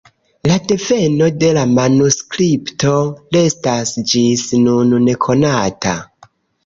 La deveno de la manuskripto restas ĝis nun nekonata.